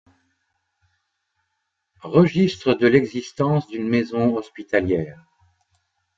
Registre de l'existence d'une maison hospitalière.